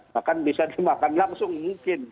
bahkan bisa dimakan langsung mungkin